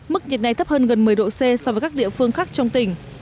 mức nhiệt này thấp hơn gần một mươi độ c so với các địa phương khác trong tỉnh